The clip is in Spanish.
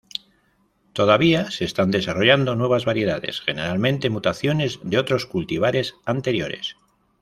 Todavía se están desarrollando nuevas variedades, generalmente mutaciones de otros cultivares anteriores.